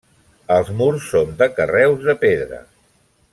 Els murs són de carreus de pedra.